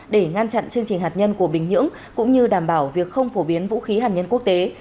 để ngăn chặn chương trình hạt nhân của bình nhưỡng cũng như đảm bảo việc không phổ biến vũ khí hạt nhân quốc tế